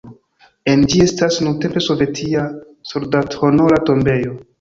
En ĝi estas nuntempe sovetia soldathonora tombejo.